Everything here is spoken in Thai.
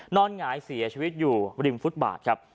หงายเสียชีวิตอยู่ริมฟุตบาทครับ